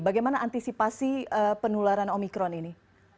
bagaimana antisipasi penularan omikron ini